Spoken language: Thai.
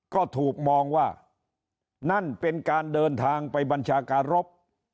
ก็ถูกมองว่านั่นเป็นการเดินทางไปบัญชาการรบ